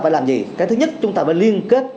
phải làm gì cái thứ nhất chúng ta phải liên kết